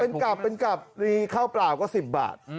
เป็นกลับเป็นกลับรีข้าวเปล่าก็๑๐บาท